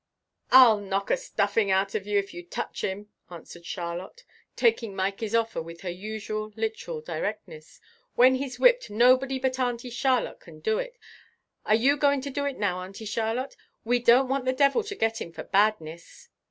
"I'll knock a stuffing out of you if you touch him," answered Charlotte, taking Mikey's offer with her usual literal directness. "When he's whipped, nobody but Auntie Charlotte can do it. Are you going to do it now, Auntie Charlotte? We don't want the devil to get him for badness."